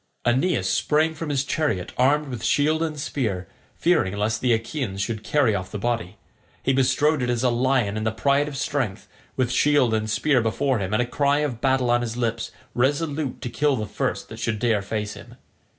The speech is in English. Aeneas sprang from his chariot armed with shield and spear, fearing lest the Achaeans should carry off the body. He bestrode it as a lion in the pride of strength, with shield and spear before him and a cry of battle on his lips resolute to kill the first that should dare face him.